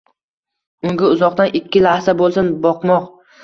unga uzoqdan, ikki lahza bo'lsin boqmoq